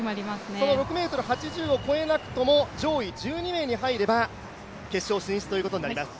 その６ｍ８０を超えなくとも上位１２名に入れば決勝進出となります。